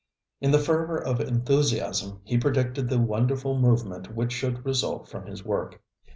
In the fervor of enthusiasm he predicted the wonderful movement which should result from his work.